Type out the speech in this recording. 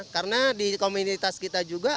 karena di komunitas kita juga